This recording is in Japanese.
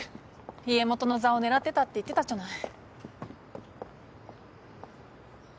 家元の座を狙ってたって言ってたじゃない。